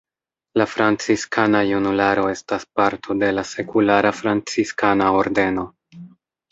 La Franciskana Junularo estas parto de la Sekulara franciskana ordeno.